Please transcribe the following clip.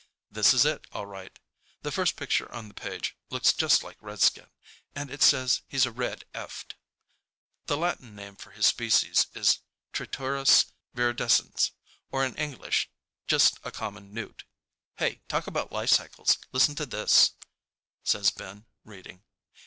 This is it, all right. The first picture on the page looks just like Redskin, and it says he's a Red Eft. The Latin name for his species is Triturus viridescens, or in English just a common newt. "Hey, talk about life cycles, listen to this," says Ben, reading.